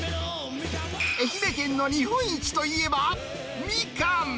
愛媛県の日本一といえば、ミカン。